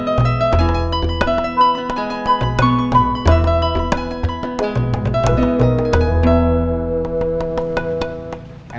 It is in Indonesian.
sampai jumpa lagi